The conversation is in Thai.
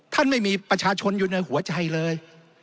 ไม่มีประชาชนอยู่ในหัวใจเลย